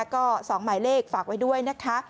ก็๒หมายเลขฝากไว้ด้วยนะคะ